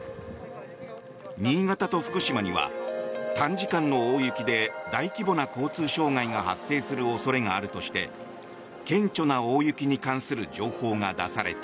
新潟と福島には短時間の大雪で大規模な交通障害が発生する恐れがあるとして顕著な大雪に関する情報が出された。